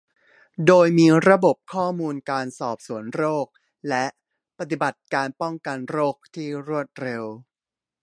โดยมีระบบข้อมูลการสอบสวนโรค และ ปฏิบัติการป้องกันโรคที่รวดเร็ว